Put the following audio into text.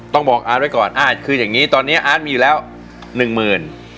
ต้องบอกอาร์ตไว้ก่อนอาร์ตคืออย่างนี้ตอนนี้อาร์ตมีอยู่แล้วหนึ่งหมื่น